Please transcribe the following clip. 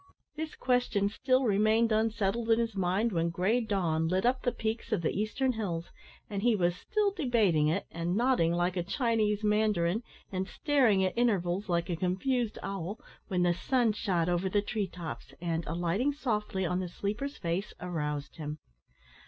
This question still remained unsettled in his mind when grey dawn lit up the peaks of the eastern hills, and he was still debating it, and nodding like a Chinese mandarin, and staring at intervals like a confused owl, when the sun shot over the tree tops, and, alighting softly on the sleeper's face, aroused him.